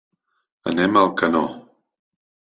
Anem a Alcanó.